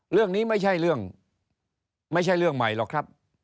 เรื่องนี้ไม่ใช่เรื่องไม่ใช่เรื่องใหม่หรอกครับ